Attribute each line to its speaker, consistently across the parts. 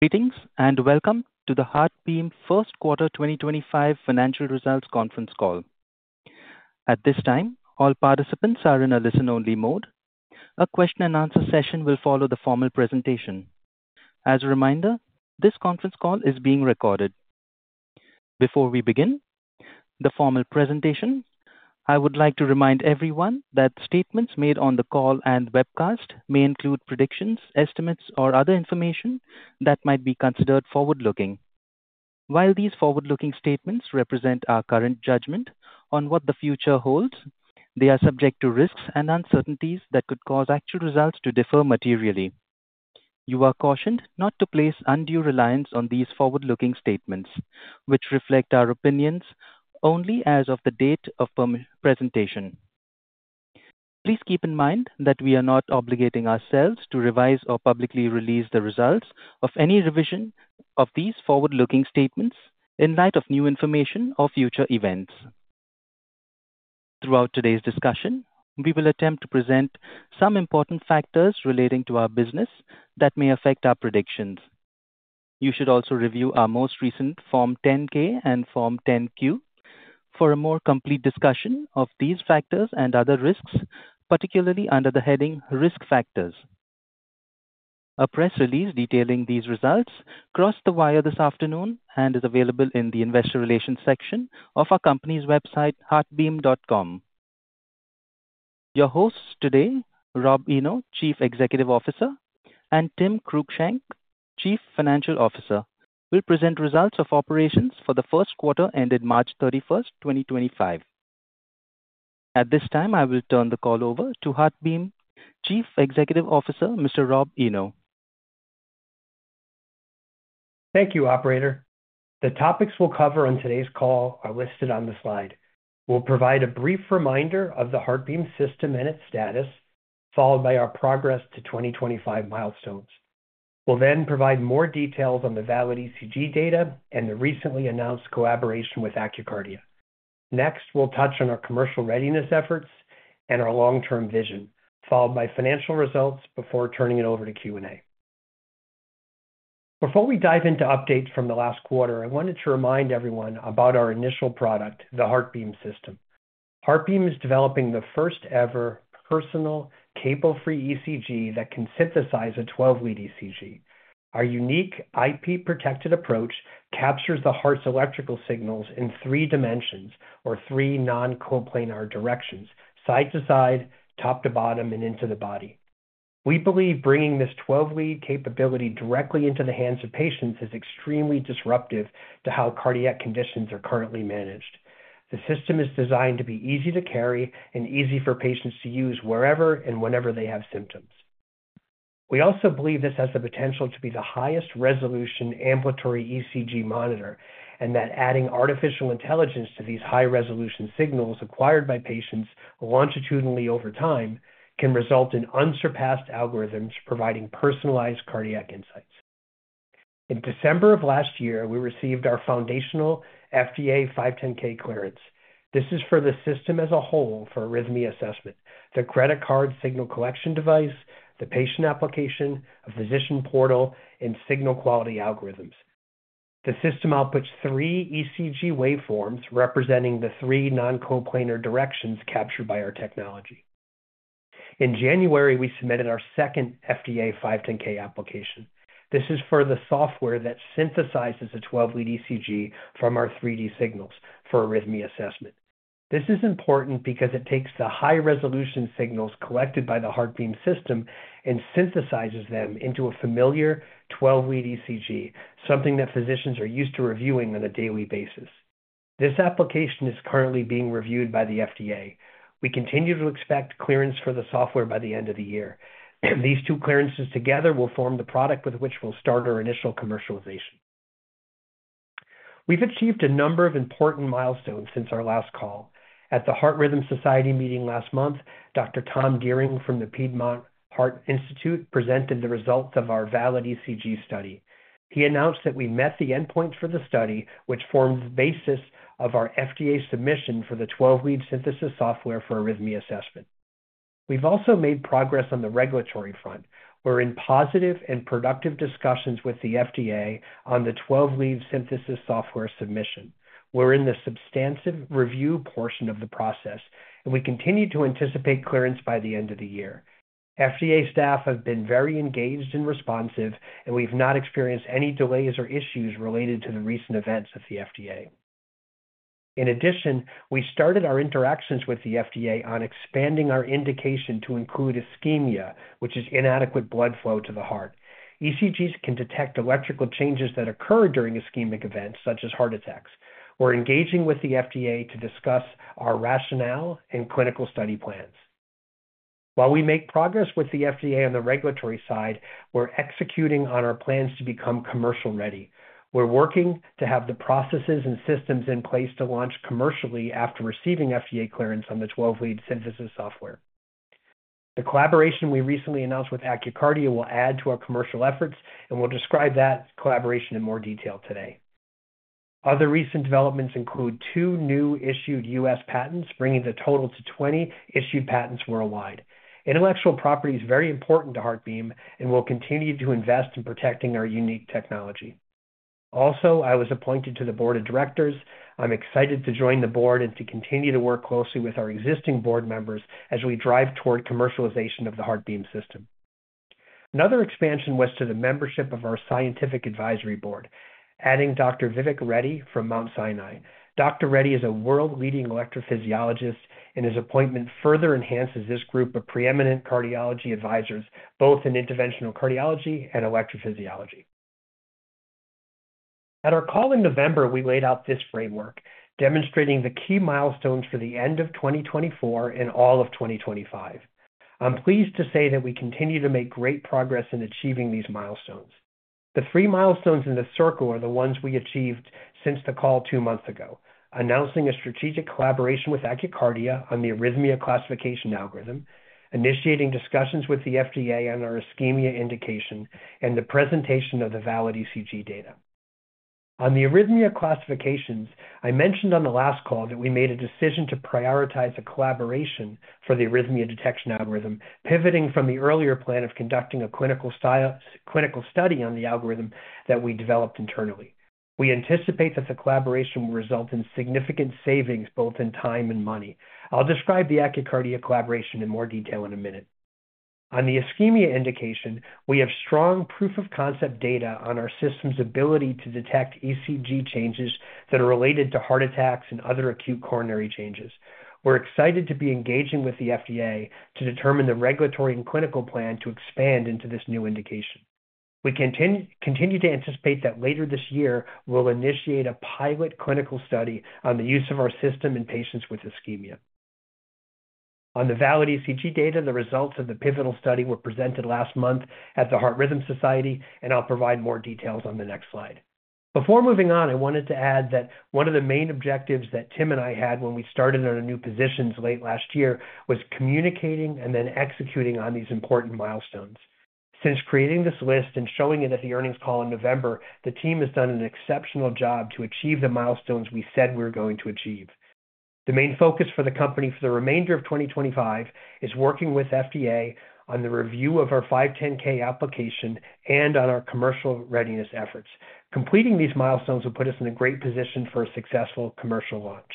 Speaker 1: Greetings and welcome to the HeartBeam First Quarter 2025 Financial Results Conference Call. At this time, all participants are in a listen-only mode. A question-and-answer session will follow the formal presentation. As a reminder, this conference call is being recorded. Before we begin the formal presentation, I would like to remind everyone that statements made on the call and webcast may include predictions, estimates, or other information that might be considered forward-looking. While these forward-looking statements represent our current judgment on what the future holds, they are subject to risks and uncertainties that could cause actual results to differ materially. You are cautioned not to place undue reliance on these forward-looking statements, which reflect our opinions only as of the date of presentation. Please keep in mind that we are not obligating ourselves to revise or publicly release the results of any revision of these forward-looking statements in light of new information or future events. Throughout today's discussion, we will attempt to present some important factors relating to our business that may affect our predictions. You should also review our most recent Form 10-K and Form 10-Q for a more complete discussion of these factors and other risks, particularly under the heading Risk Factors. A press release detailing these results crossed the wire this afternoon and is available in the Investor Relations section of our company's website, heartbeam.com. Your hosts today, Rob Eno, Chief Executive Officer, and Tim Cruickshank, Chief Financial Officer, will present results of operations for the first quarter ended March 31, 2025. At this time, I will turn the call over to HeartBeam Chief Executive Officer, Mr. Rob Eno.
Speaker 2: Thank you, Operator. The topics we'll cover on today's call are listed on the slide. We'll provide a brief reminder of the HeartBeam System and its status, followed by our progress to 2025 milestones. We'll then provide more details on the VALID-ECG data and the recently announced collaboration with AccurKardia. Next, we'll touch on our commercial readiness efforts and our long-term vision, followed by financial results before turning it over to Q&A. Before we dive into updates from the last quarter, I wanted to remind everyone about our initial product, the HeartBeam System. HeartBeam is developing the first-ever personal, cable-free ECG that can synthesize a 12-lead ECG. Our unique IP-protected approach captures the heart's electrical signals in three dimensions, or three non-coplanar directions: side to side, top to bottom, and into the body. We believe bringing this 12-lead capability directly into the hands of patients is extremely disruptive to how cardiac conditions are currently managed. The system is designed to be easy to carry and easy for patients to use wherever and whenever they have symptoms. We also believe this has the potential to be the highest-resolution ambulatory ECG monitor and that adding artificial intelligence to these high-resolution signals acquired by patients longitudinally over time can result in unsurpassed algorithms providing personalized cardiac insights. In December of last year, we received our foundational FDA 510(k) clearance. This is for the system as a whole for arrhythmia assessment: the credit card signal collection device, the patient application, a physician portal, and signal quality algorithms. The system outputs three ECG waveforms representing the three non-coplanar directions captured by our technology. In January, we submitted our second FDA 510(k) application. This is for the software that synthesizes a 12-lead ECG from our 3D signals for arrhythmia assessment. This is important because it takes the high-resolution signals collected by the HeartBeam System and synthesizes them into a familiar 12-lead ECG, something that physicians are used to reviewing on a daily basis. This application is currently being reviewed by the FDA. We continue to expect clearance for the software by the end of the year. These two clearances together will form the product with which we'll start our initial commercialization. We've achieved a number of important milestones since our last call. At the Heart Rhythm Society meeting last month, Dr. Tom Deering from the Piedmont Heart Institute presented the results of our VALID-ECG study. He announced that we met the endpoints for the study, which formed the basis of our FDA submission for the 12-lead synthesis software for arrhythmia assessment. We've also made progress on the regulatory front. We're in positive and productive discussions with the FDA on the 12-lead synthesis software submission. We're in the substantive review portion of the process, and we continue to anticipate clearance by the end of the year. FDA staff have been very engaged and responsive, and we've not experienced any delays or issues related to the recent events at the FDA. In addition, we started our interactions with the FDA on expanding our indication to include ischemia, which is inadequate blood flow to the heart. ECGs can detect electrical changes that occur during ischemic events, such as heart attacks. We're engaging with the FDA to discuss our rationale and clinical study plans. While we make progress with the FDA on the regulatory side, we're executing on our plans to become commercial ready. We're working to have the processes and systems in place to launch commercially after receiving FDA clearance on the 12-lead synthesis software. The collaboration we recently announced with AccurKardia will add to our commercial efforts, and we'll describe that collaboration in more detail today. Other recent developments include two new issued U.S. patents, bringing the total to 20 issued patents worldwide. Intellectual property is very important to HeartBeam, and we'll continue to invest in protecting our unique technology. Also, I was appointed to the board of directors. I'm excited to join the board and to continue to work closely with our existing board members as we drive toward commercialization of the HeartBeam System. Another expansion was to the membership of our scientific advisory board, adding Dr. Vivek Reddy from Mount Sinai. Dr. Reddy is a world-leading electrophysiologist, and his appointment further enhances this group of preeminent cardiology advisors, both in interventional cardiology and electrophysiology. At our call in November, we laid out this framework, demonstrating the key milestones for the end of 2024 and all of 2025. I'm pleased to say that we continue to make great progress in achieving these milestones. The three milestones in the circle are the ones we achieved since the call two months ago: announcing a strategic collaboration with AccurKardia on the arrhythmia classification algorithm, initiating discussions with the FDA on our ischemia indication, and the presentation of the VALID-ECG data. On the arrhythmia classifications, I mentioned on the last call that we made a decision to prioritize a collaboration for the arrhythmia detection algorithm, pivoting from the earlier plan of conducting a clinical study on the algorithm that we developed internally. We anticipate that the collaboration will result in significant savings, both in time and money. I'll describe the AccurKardia collaboration in more detail in a minute. On the ischemia indication, we have strong proof-of-concept data on our system's ability to detect ECG changes that are related to heart attacks and other acute coronary changes. We're excited to be engaging with the FDA to determine the regulatory and clinical plan to expand into this new indication. We continue to anticipate that later this year, we'll initiate a pilot clinical study on the use of our system in patients with ischemia. On the VALID-ECG data, the results of the pivotal study were presented last month at the Heart Rhythm Society, and I'll provide more details on the next slide. Before moving on, I wanted to add that one of the main objectives that Tim and I had when we started our new positions late last year was communicating and then executing on these important milestones. Since creating this list and showing it at the earnings call in November, the team has done an exceptional job to achieve the milestones we said we were going to achieve. The main focus for the company for the remainder of 2025 is working with the FDA on the review of our 510(k) application and on our commercial readiness efforts. Completing these milestones will put us in a great position for a successful commercial launch.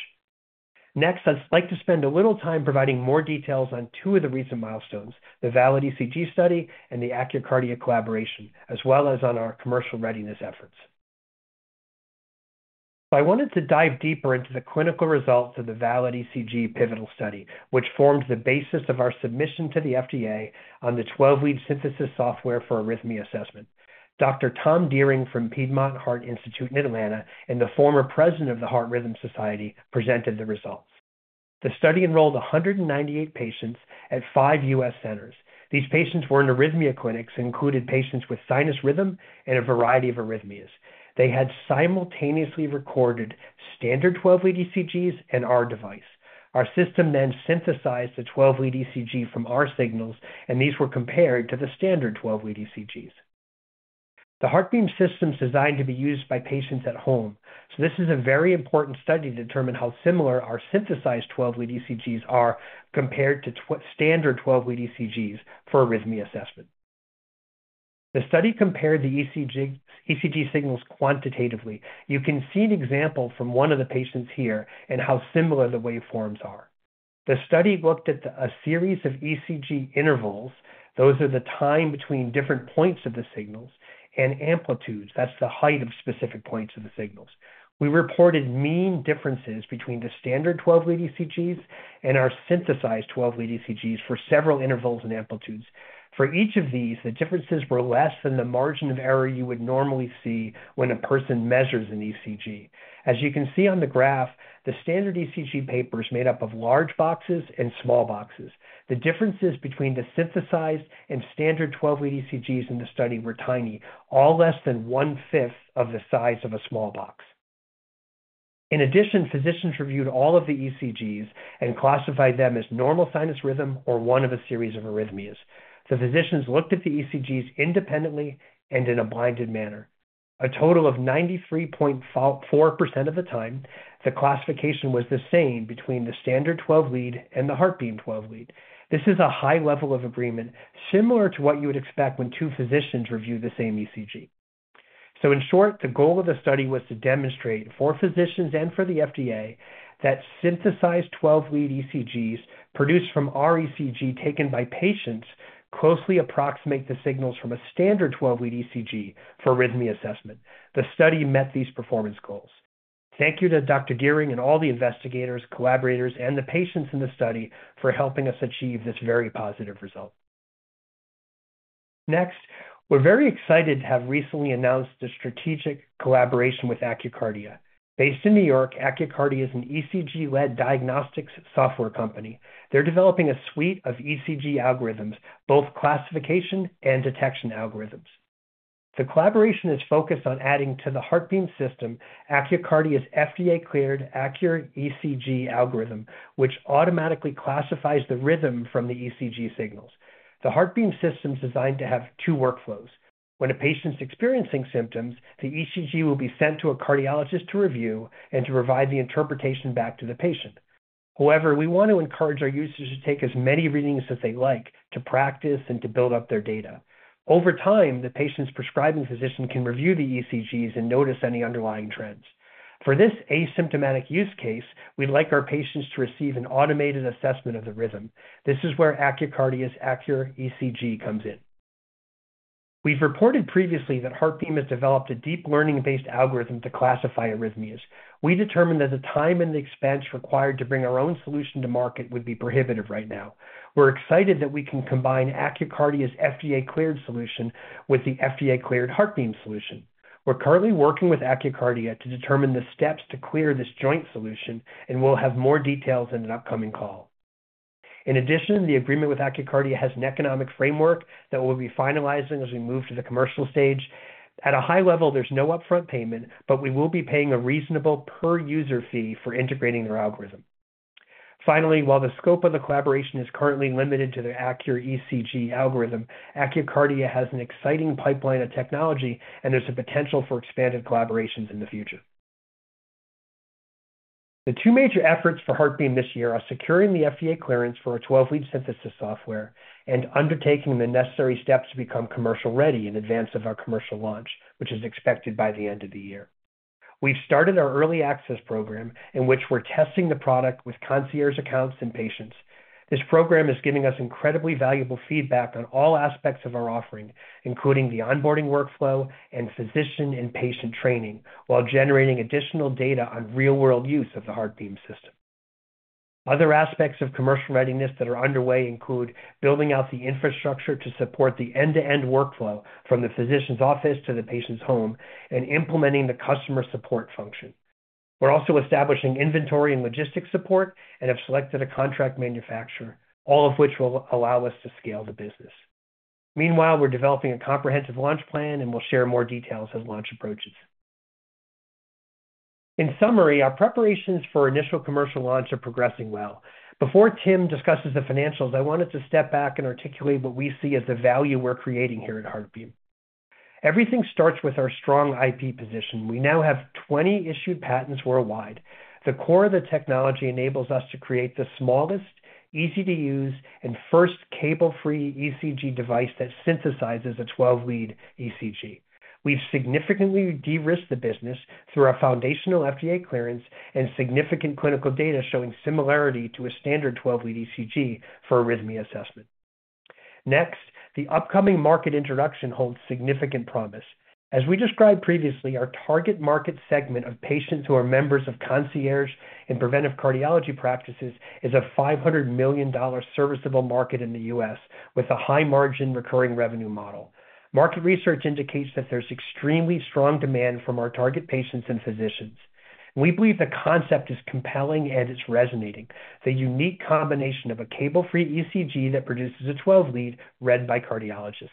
Speaker 2: Next, I'd like to spend a little time providing more details on two of the recent milestones: the VALID-ECG study and the AccurKardia collaboration, as well as on our commercial readiness efforts. I wanted to dive deeper into the clinical results of the VALID-ECG pivotal study, which formed the basis of our submission to the FDA on the 12-lead synthesis software for arrhythmia assessment. Dr. Tom Deering from Piedmont Heart Institute in Atlanta and the former president of the Heart Rhythm Society presented the results. The study enrolled 198 patients at five U.S. centers. These patients were in arrhythmia clinics and included patients with sinus rhythm and a variety of arrhythmias. They had simultaneously recorded standard 12-lead ECGs and our device. Our system then synthesized the 12-lead ECG from our signals, and these were compared to the standard 12-lead ECGs. The HeartBeam System is designed to be used by patients at home, so this is a very important study to determine how similar our synthesized 12-lead ECGs are compared to standard 12-lead ECGs for arrhythmia assessment. The study compared the ECG signals quantitatively. You can see an example from one of the patients here and how similar the waveforms are. The study looked at a series of ECG intervals; those are the time between different points of the signals and amplitudes—that's the height of specific points of the signals. We reported mean differences between the standard 12-lead ECGs and our synthesized 12-lead ECGs for several intervals and amplitudes. For each of these, the differences were less than the margin of error you would normally see when a person measures an ECG. As you can see on the graph, the standard ECG paper is made up of large boxes and small boxes. The differences between the synthesized and standard 12-lead ECGs in the study were tiny, all less than one-fifth of the size of a small box. In addition, physicians reviewed all of the ECGs and classified them as normal sinus rhythm or one of a series of arrhythmias. The physicians looked at the ECGs independently and in a blinded manner. A total of 93.4% of the time, the classification was the same between the standard 12-lead and the HeartBeam 12-lead. This is a high level of agreement, similar to what you would expect when two physicians review the same ECG. In short, the goal of the study was to demonstrate for physicians and for the FDA that synthesized 12-lead ECGs produced from our ECG taken by patients closely approximate the signals from a standard 12-lead ECG for arrhythmia assessment. The study met these performance goals. Thank you to Dr. Deering and all the investigators, collaborators, and the patients in the study for helping us achieve this very positive result. Next, we're very excited to have recently announced the strategic collaboration with AccurKardia. Based in New York, AccurKardia is an ECG-led diagnostics software company. They're developing a suite of ECG algorithms, both classification and detection algorithms. The collaboration is focused on adding to the HeartBeam system AccurKardia's FDA-cleared Accurate ECG algorithm, which automatically classifies the rhythm from the ECG signals. The HeartBeam system is designed to have two workflows. When a patient's experiencing symptoms, the ECG will be sent to a cardiologist to review and to provide the interpretation back to the patient. However, we want to encourage our users to take as many readings as they like, to practice, and to build up their data. Over time, the patient's prescribing physician can review the ECGs and notice any underlying trends. For this asymptomatic use case, we'd like our patients to receive an automated assessment of the rhythm. This is where AccurKardia's Accurate ECG comes in. We've reported previously that HeartBeam has developed a deep learning-based algorithm to classify arrhythmias. We determined that the time and the expense required to bring our own solution to market would be prohibitive right now. We're excited that we can combine AccurKardia's FDA-cleared solution with the FDA-cleared HeartBeam solution. We're currently working with AccurKardia to determine the steps to clear this joint solution, and we'll have more details in an upcoming call. In addition, the agreement with AccurKardia has an economic framework that we'll be finalizing as we move to the commercial stage. At a high level, there's no upfront payment, but we will be paying a reasonable per-user fee for integrating their algorithm. Finally, while the scope of the collaboration is currently limited to the Accurate ECG algorithm, AccurKardia has an exciting pipeline of technology, and there's a potential for expanded collaborations in the future. The two major efforts for HeartBeam this year are securing the FDA clearance for our 12-lead synthesis software and undertaking the necessary steps to become commercial ready in advance of our commercial launch, which is expected by the end of the year. We've started our early access program, in which we're testing the product with concierge accounts and patients. This program is giving us incredibly valuable feedback on all aspects of our offering, including the onboarding workflow and physician and patient training, while generating additional data on real-world use of the HeartBeam System. Other aspects of commercial readiness that are underway include building out the infrastructure to support the end-to-end workflow, from the physician's office to the patient's home, and implementing the customer support function. We're also establishing inventory and logistics support and have selected a contract manufacturer, all of which will allow us to scale the business. Meanwhile, we're developing a comprehensive launch plan, and we'll share more details as launch approaches. In summary, our preparations for initial commercial launch are progressing well. Before Tim discusses the financials, I wanted to step back and articulate what we see as the value we're creating here at HeartBeam. Everything starts with our strong IP position. We now have 20 issued patents worldwide. The core of the technology enables us to create the smallest, easy-to-use, and first cable-free ECG device that synthesizes a 12-lead ECG. We've significantly de-risked the business through our foundational FDA clearance and significant clinical data showing similarity to a standard 12-lead ECG for arrhythmia assessment. Next, the upcoming market introduction holds significant promise. As we described previously, our target market segment of patients who are members of concierge and preventive cardiology practices is a $500 million serviceable market in the U.S., with a high-margin recurring revenue model. Market research indicates that there's extremely strong demand from our target patients and physicians. We believe the concept is compelling and it's resonating: the unique combination of a cable-free ECG that produces a 12-lead read by cardiologists.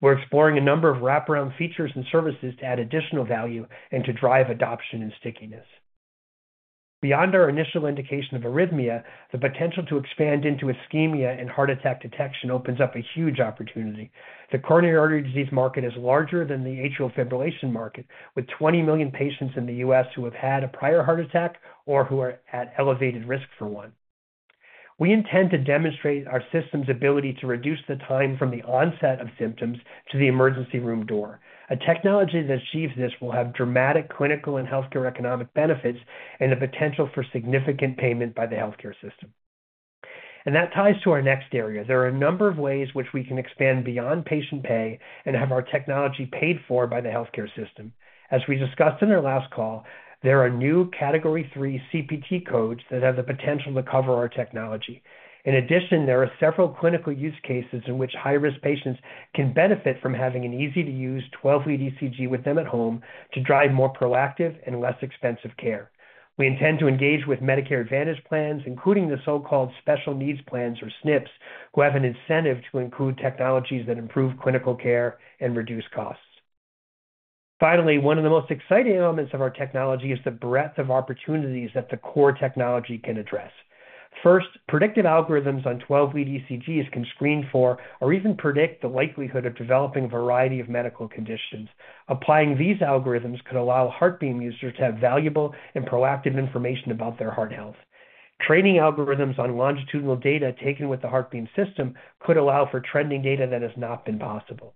Speaker 2: We're exploring a number of wraparound features and services to add additional value and to drive adoption and stickiness. Beyond our initial indication of arrhythmia, the potential to expand into ischemia and heart attack detection opens up a huge opportunity. The coronary artery disease market is larger than the atrial fibrillation market, with 20 million patients in the U.S. who have had a prior heart attack or who are at elevated risk for one. We intend to demonstrate our system's ability to reduce the time from the onset of symptoms to the emergency room door. A technology that achieves this will have dramatic clinical and healthcare economic benefits and the potential for significant payment by the healthcare system. That ties to our next area. There are a number of ways which we can expand beyond patient pay and have our technology paid for by the healthcare system. As we discussed in our last call, there are new category three CPT codes that have the potential to cover our technology. In addition, there are several clinical use cases in which high-risk patients can benefit from having an easy-to-use 12-lead ECG with them at home to drive more proactive and less expensive care. We intend to engage with Medicare Advantage plans, including the so-called special needs plans or SNPs, who have an incentive to include technologies that improve clinical care and reduce costs. Finally, one of the most exciting elements of our technology is the breadth of opportunities that the core technology can address. First, predictive algorithms on 12-lead ECGs can screen for or even predict the likelihood of developing a variety of medical conditions. Applying these algorithms could allow HeartBeam users to have valuable and proactive information about their heart health. Training algorithms on longitudinal data taken with the HeartBeam System could allow for trending data that has not been possible.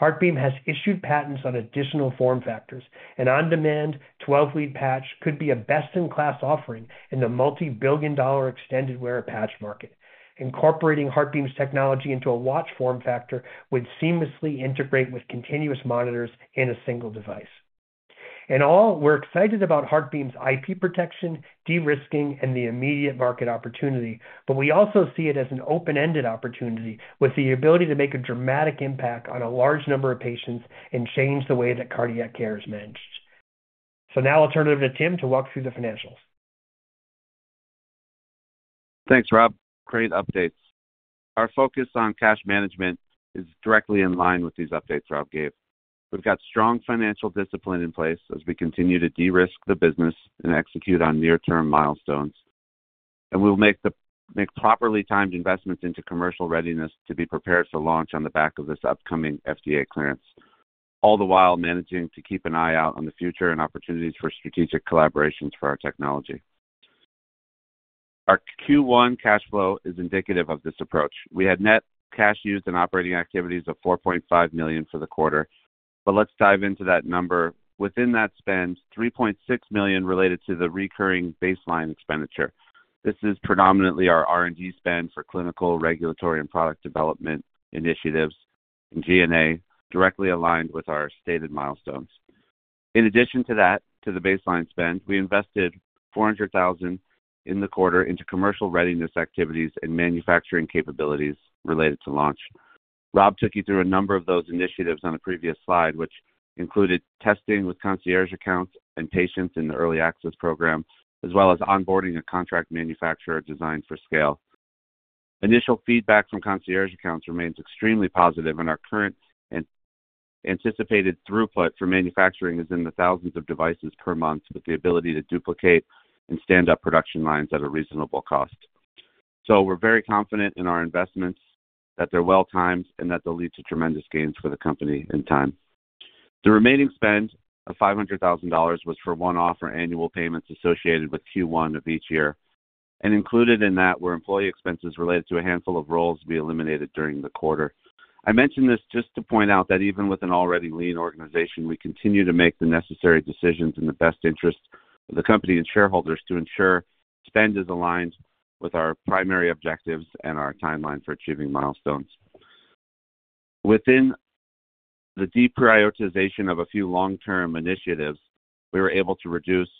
Speaker 2: HeartBeam has issued patents on additional form factors. An on-demand 12-lead patch could be a best-in-class offering in the multi-billion-dollar extended-wear patch market. Incorporating HeartBeam's technology into a watch form factor would seamlessly integrate with continuous monitors in a single device. In all, we're excited about HeartBeam's IP protection, de-risking, and the immediate market opportunity, but we also see it as an open-ended opportunity with the ability to make a dramatic impact on a large number of patients and change the way that cardiac care is managed. Now I'll turn it over to Tim to walk through the financials.
Speaker 3: Thanks, Rob. Great updates. Our focus on cash management is directly in line with these updates Rob gave. We've got strong financial discipline in place as we continue to de-risk the business and execute on near-term milestones. We will make properly timed investments into commercial readiness to be prepared to launch on the back of this upcoming FDA clearance, all the while managing to keep an eye out on the future and opportunities for strategic collaborations for our technology. Our Q1 cash flow is indicative of this approach. We had net cash used in operating activities of $4.5 million for the quarter, but let's dive into that number. Within that spend, $3.6 million related to the recurring baseline expenditure. This is predominantly our R&D spend for clinical, regulatory, and product development initiatives and G&A, directly aligned with our stated milestones. In addition to that, to the baseline spend, we invested $400,000 in the quarter into commercial readiness activities and manufacturing capabilities related to launch. Rob took you through a number of those initiatives on a previous slide, which included testing with concierge accounts and patients in the early access program, as well as onboarding a contract manufacturer designed for scale. Initial feedback from concierge accounts remains extremely positive, and our current and anticipated throughput for manufacturing is in the thousands of devices per month, with the ability to duplicate and stand up production lines at a reasonable cost. We are very confident in our investments, that they're well-timed, and that they'll lead to tremendous gains for the company in time. The remaining spend of $500,000 was for one-off or annual payments associated with Q1 of each year. Included in that were employee expenses related to a handful of roles to be eliminated during the quarter. I mentioned this just to point out that even with an already lean organization, we continue to make the necessary decisions in the best interest of the company and shareholders to ensure spend is aligned with our primary objectives and our timeline for achieving milestones. Within the deprioritization of a few long-term initiatives, we were able to reduce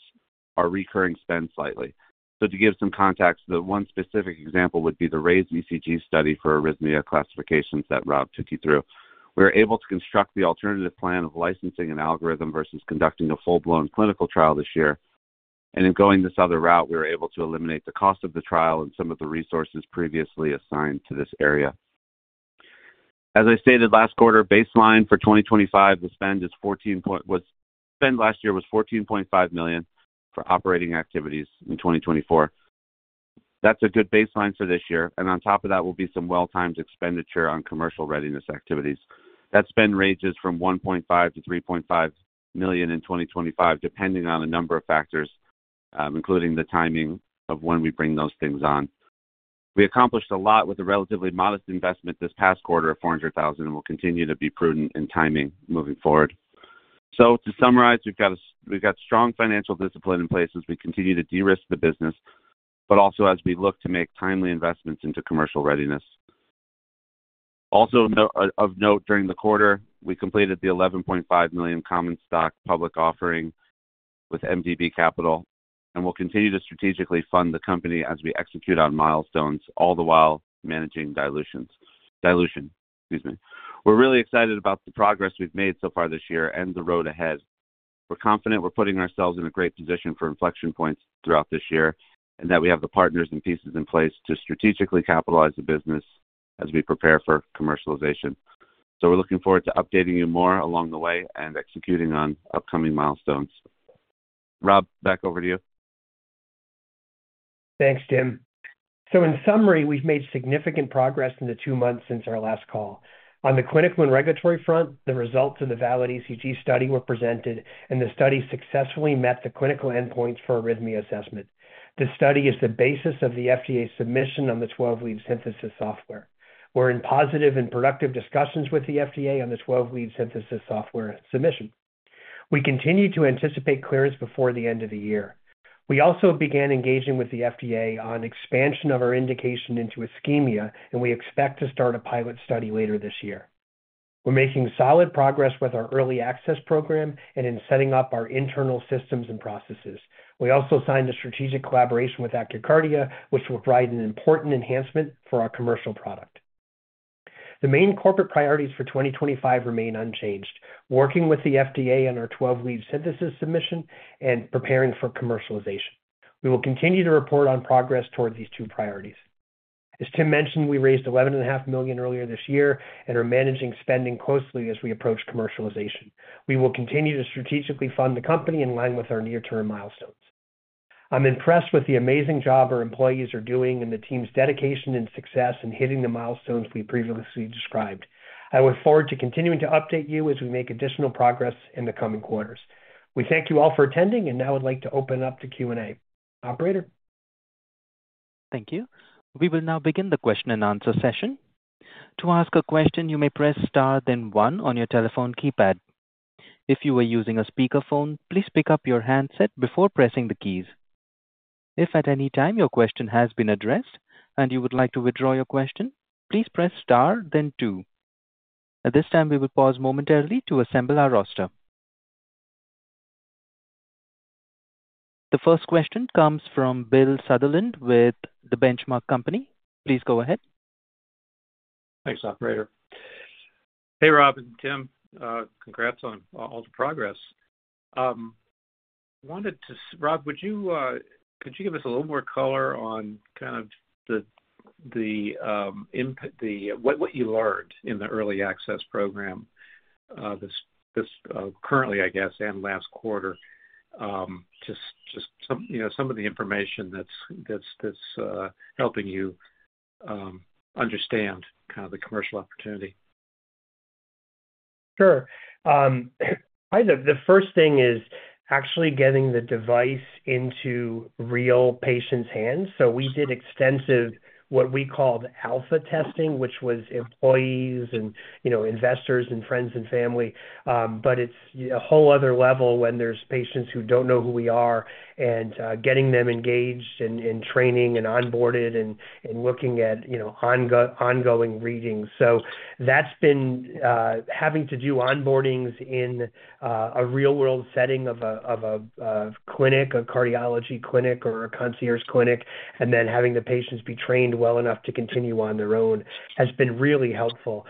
Speaker 3: our recurring spend slightly. To give some context, the one specific example would be the RAISE ECG study for arrhythmia classifications that Rob took you through. We were able to construct the alternative plan of licensing an algorithm versus conducting a full-blown clinical trial this year. In going this other route, we were able to eliminate the cost of the trial and some of the resources previously assigned to this area. As I stated last quarter, baseline for 2025, the spend was last year was $14.5 million for operating activities in 2024. That's a good baseline for this year. On top of that, will be some well-timed expenditure on commercial readiness activities. That spend ranges from $1.5-$3.5 million in 2025, depending on a number of factors, including the timing of when we bring those things on. We accomplished a lot with a relatively modest investment this past quarter of $400,000 and will continue to be prudent in timing moving forward. To summarize, we've got strong financial discipline in place as we continue to de-risk the business, but also as we look to make timely investments into commercial readiness. Also, of note, during the quarter, we completed the $11.5 million common stock public offering with MDB Capital, and we'll continue to strategically fund the company as we execute on milestones, all the while managing dilution. Excuse me. We're really excited about the progress we've made so far this year and the road ahead. We're confident we're putting ourselves in a great position for inflection points throughout this year and that we have the partners and pieces in place to strategically capitalize the business as we prepare for commercialization. We're looking forward to updating you more along the way and executing on upcoming milestones. Rob, back over to you.
Speaker 2: Thanks, Tim. In summary, we've made significant progress in the two months since our last call. On the clinical and regulatory front, the results of the VALID-ECG study were presented, and the study successfully met the clinical endpoints for arrhythmia assessment. The study is the basis of the FDA submission on the 12-lead synthesis software. We're in positive and productive discussions with the FDA on the 12-lead synthesis software submission. We continue to anticipate clearance before the end of the year. We also began engaging with the FDA on expansion of our indication into ischemia, and we expect to start a pilot study later this year. We're making solid progress with our early access program and in setting up our internal systems and processes. We also signed a strategic collaboration with AccurKardia, which will provide an important enhancement for our commercial product. The main corporate priorities for 2025 remain unchanged, working with the FDA on our 12-lead synthesis submission and preparing for commercialization. We will continue to report on progress toward these two priorities. As Tim mentioned, we raised $11.5 million earlier this year and are managing spending closely as we approach commercialization. We will continue to strategically fund the company in line with our near-term milestones. I'm impressed with the amazing job our employees are doing and the team's dedication and success in hitting the milestones we previously described. I look forward to continuing to update you as we make additional progress in the coming quarters. We thank you all for attending, and now I'd like to open up to Q&A. Operator.
Speaker 1: Thank you. We will now begin the question and answer session. To ask a question, you may press star then one on your telephone keypad. If you are using a speakerphone, please pick up your handset before pressing the keys. If at any time your question has been addressed and you would like to withdraw your question, please press star then two. At this time, we will pause momentarily to assemble our roster. The first question comes from Bill Sutherland with The Benchmark Company. Please go ahead.
Speaker 4: Thanks, Operator. Hey, Rob and Tim. Congrats on all the progress. Rob, could you give us a little more color on kind of what you learned in the early access program currently, I guess, and last quarter? Just some of the information that's helping you understand kind of the commercial opportunity.
Speaker 2: Sure. The first thing is actually getting the device into real patients' hands. So we did extensive what we called alpha testing, which was employees and investors and friends and family. It's a whole other level when there's patients who don't know who we are and getting them engaged and training and onboarded and looking at ongoing readings. That's been having to do onboardings in a real-world setting of a clinic, a cardiology clinic, or a concierge clinic, and then having the patients be trained well enough to continue on their own has been really helpful.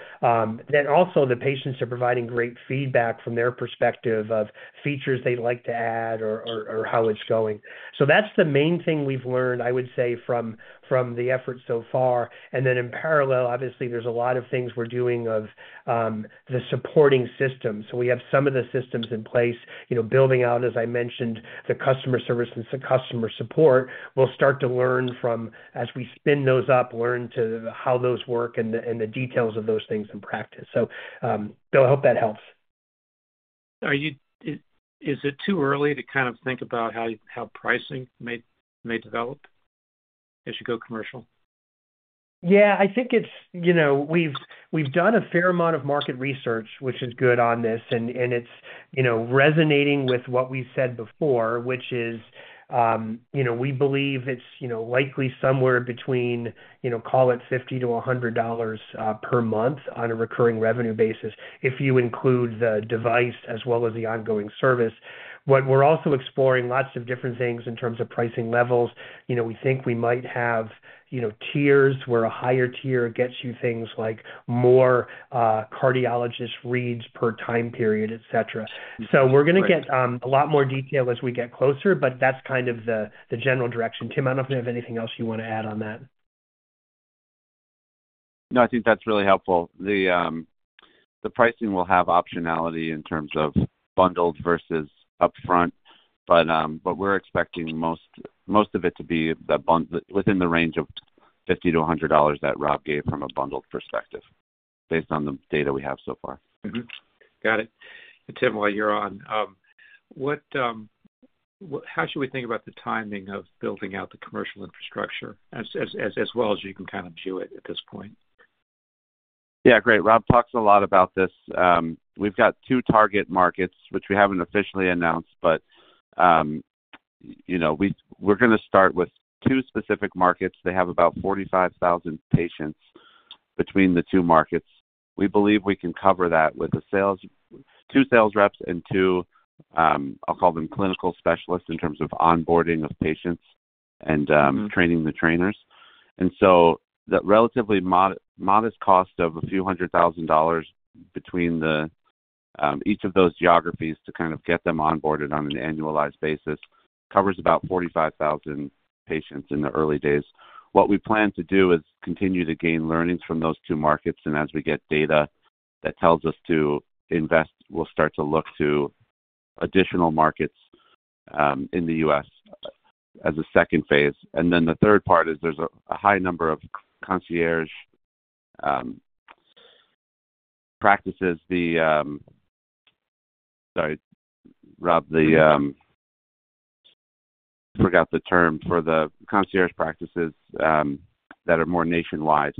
Speaker 2: The patients are providing great feedback from their perspective of features they'd like to add or how it's going. That's the main thing we've learned, I would say, from the effort so far. In parallel, obviously, there's a lot of things we're doing of the supporting system. We have some of the systems in place, building out, as I mentioned, the customer service and customer support. We'll start to learn from, as we spin those up, learn how those work and the details of those things in practice. I hope that helps.
Speaker 4: Is it too early to kind of think about how pricing may develop as you go commercial?
Speaker 2: Yeah, I think we've done a fair amount of market research, which is good on this. It's resonating with what we said before, which is we believe it's likely somewhere between, call it $50-$100 per month on a recurring revenue basis if you include the device as well as the ongoing service. We're also exploring lots of different things in terms of pricing levels. We think we might have tiers where a higher tier gets you things like more cardiologist reads per time period, etc. We're going to get a lot more detail as we get closer, but that's kind of the general direction. Tim, I don't know if you have anything else you want to add on that.
Speaker 3: No, I think that's really helpful. The pricing will have optionality in terms of bundled versus upfront, but we're expecting most of it to be within the range of $50-$100 that Rob gave from a bundled perspective based on the data we have so far.
Speaker 4: Got it. Tim, while you're on, how should we think about the timing of building out the commercial infrastructure as well as you can kind of view it at this point?
Speaker 3: Yeah, great. Rob talks a lot about this. We've got two target markets, which we haven't officially announced, but we're going to start with two specific markets. They have about 45,000 patients between the two markets. We believe we can cover that with two sales reps and two, I'll call them clinical specialists in terms of onboarding of patients and training the trainers. The relatively modest cost of a few hundred thousand dollars between each of those geographies to kind of get them onboarded on an annualized basis covers about 45,000 patients in the early days. What we plan to do is continue to gain learnings from those two markets. As we get data that tells us to invest, we'll start to look to additional markets in the U.S. as a second phase. The third part is there's a high number of concierge practices. Sorry, Rob, I forgot the term for the concierge practices that are more nationwide.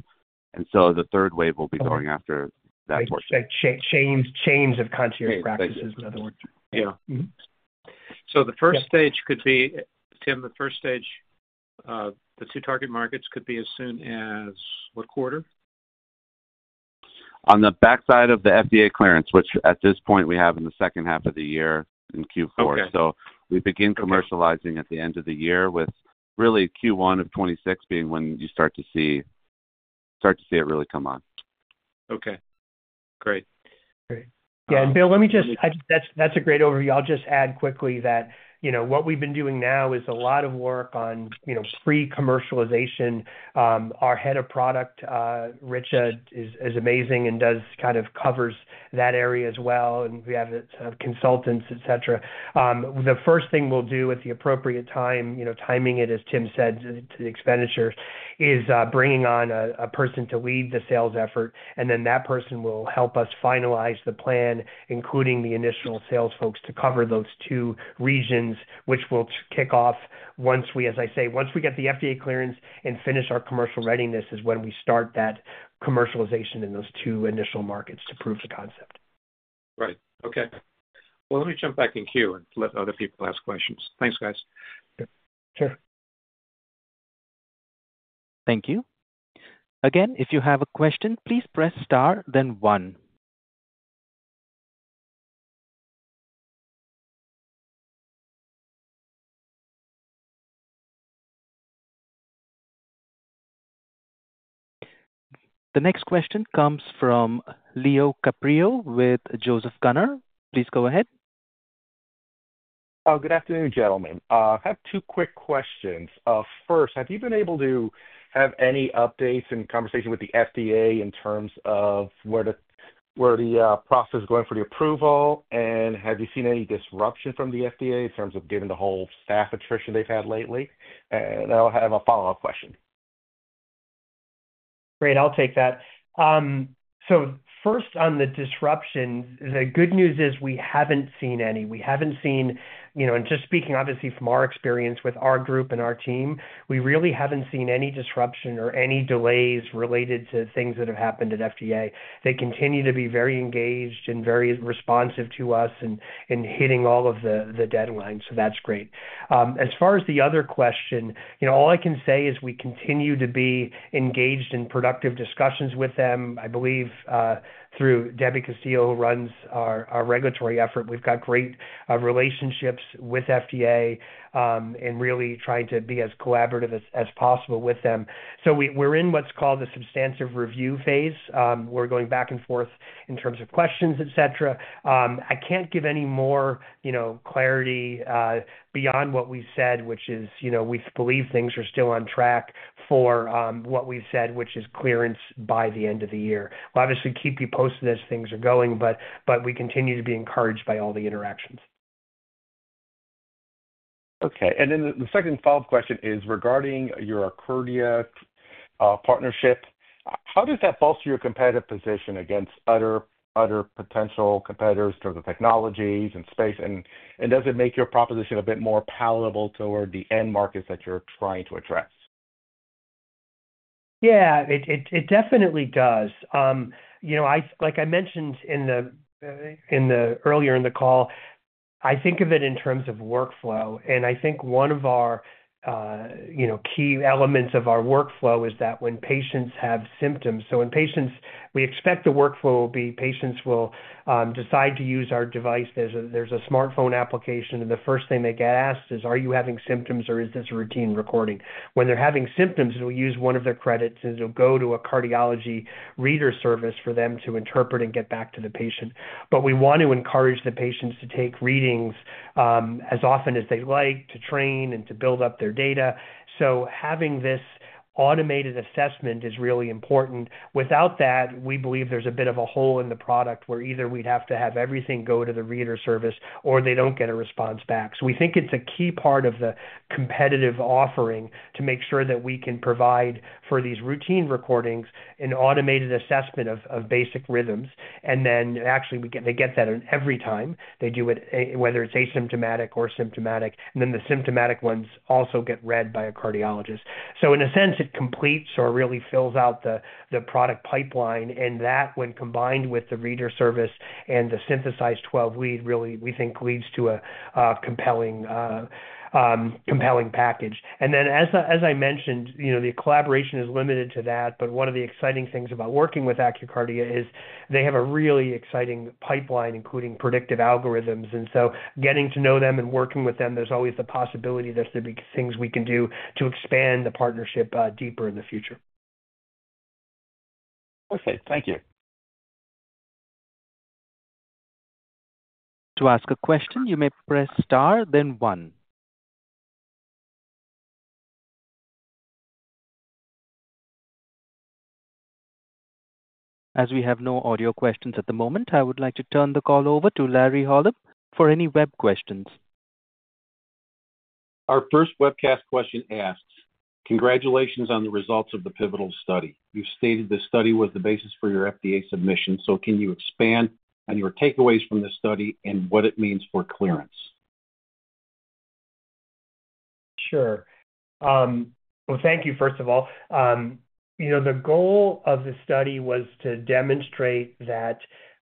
Speaker 3: The third wave will be going after that portion.
Speaker 2: Chains of concierge practices, in other words.
Speaker 4: Yeah. The first stage could be, Tim, the first stage, the two target markets could be as soon as what quarter?
Speaker 3: On the backside of the FDA clearance, which at this point we have in the second half of the year in Q4. We begin commercializing at the end of the year with really Q1 of 2026 being when you start to see it really come on.
Speaker 4: Okay. Great.
Speaker 2: Yeah. Bill, let me just—that's a great overview. I'll just add quickly that what we've been doing now is a lot of work on pre-commercialization. Our Head of Product, Richard, is amazing and kind of covers that area as well. We have consultants, etc. The first thing we'll do at the appropriate time, timing it, as Tim said, to the expenditure, is bringing on a person to lead the sales effort. That person will help us finalize the plan, including the initial sales folks, to cover those two regions, which will kick off once we—as I say, once we get the FDA clearance and finish our commercial readiness is when we start that commercialization in those two initial markets to prove the concept.
Speaker 4: Right. Okay. Let me jump back in queue and let other people ask questions. Thanks, guys.
Speaker 2: Sure.
Speaker 1: Thank you. Again, if you have a question, please press star then one. The next question comes from Leo Carpio with Joseph Gunnar. Please go ahead.
Speaker 5: Good afternoon, gentlemen. I have two quick questions. First, have you been able to have any updates in conversation with the FDA in terms of where the process is going for the approval? Have you seen any disruption from the FDA in terms of getting the whole staff attrition they've had lately? I'll have a follow-up question.
Speaker 2: Great. I'll take that. First, on the disruptions, the good news is we haven't seen any. We haven't seen—just speaking, obviously, from our experience with our group and our team, we really haven't seen any disruption or any delays related to things that have happened at the FDA. They continue to be very engaged and very responsive to us and hitting all of the deadlines. That's great. As far as the other question, all I can say is we continue to be engaged in productive discussions with them. I believe through Debbie Castillo, who runs our regulatory effort, we've got great relationships with the FDA and really trying to be as collaborative as possible with them. We're in what's called the substantive review phase. We're going back and forth in terms of questions, etc. I can't give any more clarity beyond what we said, which is we believe things are still on track for what we've said, which is clearance by the end of the year. We'll obviously keep you posted as things are going, but we continue to be encouraged by all the interactions.
Speaker 5: Okay. The second follow-up question is regarding your AccurKardia partnership. How does that bolster your competitive position against other potential competitors for the technologies and space? And does it make your proposition a bit more palatable toward the end markets that you're trying to address?
Speaker 2: Yeah, it definitely does. Like I mentioned earlier in the call, I think of it in terms of workflow. I think one of our key elements of our workflow is that when patients have symptoms—so when patients—we expect the workflow will be patients will decide to use our device. There's a smartphone application. The first thing they get asked is, "Are you having symptoms, or is this a routine recording?" When they're having symptoms, it'll use one of their credits, and it'll go to a cardiology reader service for them to interpret and get back to the patient. We want to encourage the patients to take readings as often as they'd like to train and to build up their data. Having this automated assessment is really important. Without that, we believe there's a bit of a hole in the product where either we'd have to have everything go to the reader service or they don't get a response back. We think it's a key part of the competitive offering to make sure that we can provide for these routine recordings an automated assessment of basic rhythms. They get that every time they do it, whether it's asymptomatic or symptomatic. The symptomatic ones also get read by a cardiologist. In a sense, it completes or really fills out the product pipeline. That, when combined with the reader service and the synthesized 12-lead, really, we think leads to a compelling package. As I mentioned, the collaboration is limited to that. One of the exciting things about working with AccurKardia is they have a really exciting pipeline, including predictive algorithms. Getting to know them and working with them, there's always the possibility there's going to be things we can do to expand the partnership deeper in the future.
Speaker 5: Perfect. Thank you. To ask a question, you may press star then one. As we have no audio questions at the moment, I would like to turn the call over to Larry Holub for any web questions.
Speaker 6: Our first webcast question asks, "Congratulations on the results of the pivotal study. You stated the study was the basis for your FDA submission. Can you expand on your takeaways from the study and what it means for clearance?"
Speaker 2: Sure. Thank you, first of all. The goal of the study was to demonstrate that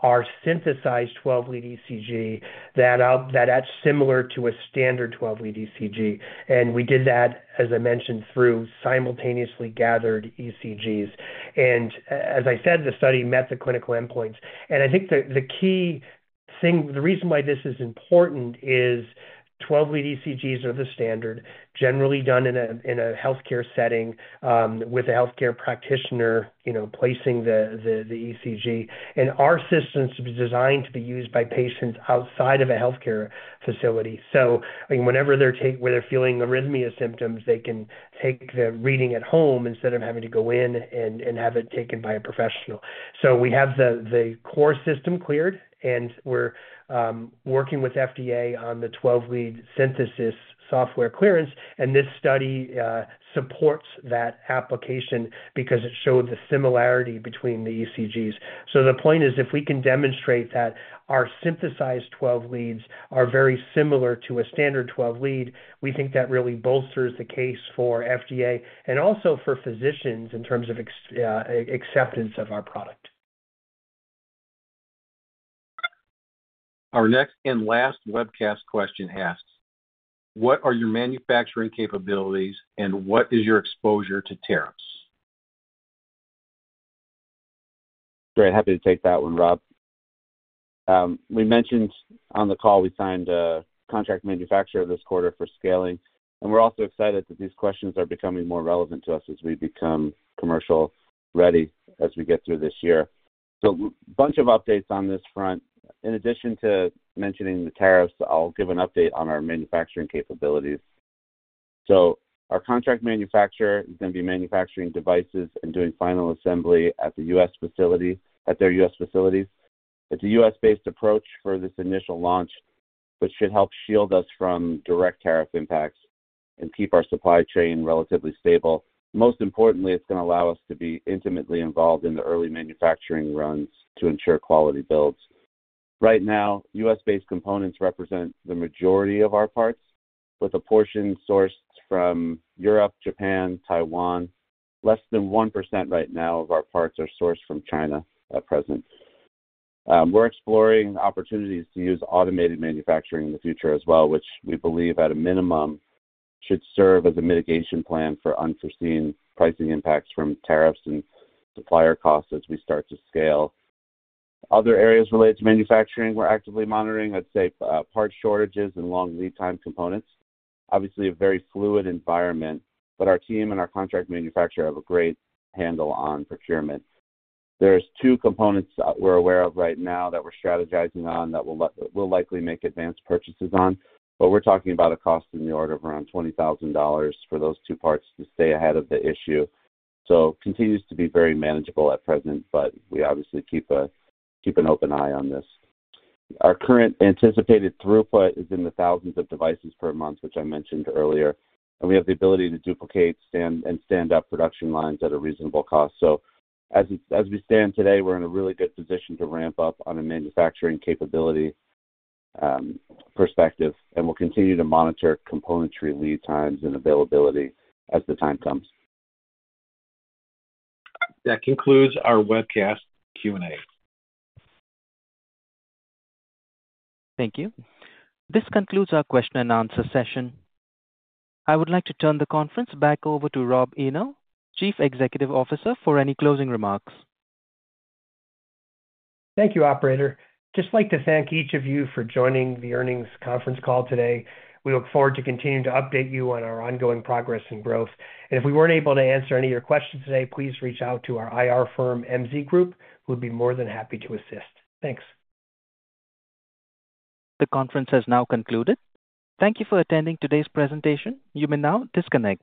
Speaker 2: our synthesized 12-lead ECG, that that's similar to a standard 12-lead ECG. We did that, as I mentioned, through simultaneously gathered ECGs. As I said, the study met the clinical endpoints. I think the key thing, the reason why this is important is 12-lead ECGs are the standard, generally done in a healthcare setting with a healthcare practitioner placing the ECG. Our systems are designed to be used by patients outside of a healthcare facility. Whenever they're feeling arrhythmia symptoms, they can take the reading at home instead of having to go in and have it taken by a professional. We have the core system cleared, and we're working with FDA on the 12-lead synthesis software clearance. This study supports that application because it showed the similarity between the ECGs. The point is, if we can demonstrate that our synthesized 12 leads are very similar to a standard 12 lead, we think that really bolsters the case for FDA and also for physicians in terms of acceptance of our product.
Speaker 6: Our next and last webcast question asks, "What are your manufacturing capabilities, and what is your exposure to tariffs?"
Speaker 3: Great. Happy to take that one, Rob. We mentioned on the call we signed a contract manufacturer this quarter for scaling. We are also excited that these questions are becoming more relevant to us as we become commercial-ready as we get through this year. A bunch of updates on this front. In addition to mentioning the tariffs, I'll give an update on our manufacturing capabilities. Our contract manufacturer is going to be manufacturing devices and doing final assembly at their U.S. facilities. It's a U.S.-based approach for this initial launch, which should help shield us from direct tariff impacts and keep our supply chain relatively stable. Most importantly, it's going to allow us to be intimately involved in the early manufacturing runs to ensure quality builds. Right now, U.S.-based components represent the majority of our parts, with a portion sourced from Europe, Japan, Taiwan. Less than 1% right now of our parts are sourced from China at present. We're exploring opportunities to use automated manufacturing in the future as well, which we believe, at a minimum, should serve as a mitigation plan for unforeseen pricing impacts from tariffs and supplier costs as we start to scale. Other areas related to manufacturing we're actively monitoring, I'd say, part shortages and long lead-time components. Obviously, a very fluid environment, but our team and our contract manufacturer have a great handle on procurement. There are two components we're aware of right now that we're strategizing on that we'll likely make advanced purchases on. We're talking about a cost in the order of around $20,000 for those two parts to stay ahead of the issue. It continues to be very manageable at present, but we obviously keep an open eye on this. Our current anticipated throughput is in the thousands of devices per month, which I mentioned earlier. We have the ability to duplicate and stand up production lines at a reasonable cost. As we stand today, we're in a really good position to ramp up on a manufacturing capability perspective. We'll continue to monitor componentry lead times and availability as the time comes.
Speaker 6: That concludes our webcast Q&A.
Speaker 1: Thank you. This concludes our question and answer session. I would like to turn the conference back over to Rob Eno, Chief Executive Officer, for any closing remarks.
Speaker 2: Thank you, Operator. Just like to thank each of you for joining the earnings conference call today. We look forward to continuing to update you on our ongoing progress and growth. If we were not able to answer any of your questions today, please reach out to our IR firm, MZ Group, who would be more than happy to assist. Thanks.
Speaker 1: The conference has now concluded. Thank you for attending today's presentation. You may now disconnect.